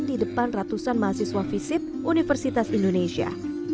di depan ratusan mahasiswa visip universitas indonesia